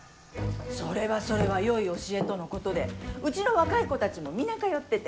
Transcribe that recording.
それはそれはよい教えとのことでうちの若い子たちも皆通ってて。